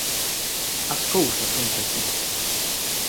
As cousas sonche así!